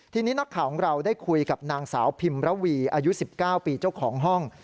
ทีนี้นักข่าวของเราได้คุยกับนางสาวพิมระวีอายุ๑๙ปีเจ้าของห้อง